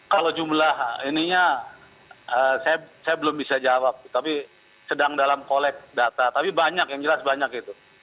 kalau jumlah ininya saya belum bisa jawab tapi sedang dalam kolek data tapi banyak yang jelas banyak itu